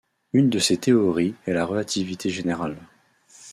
Une de ces théories est la relativité générale.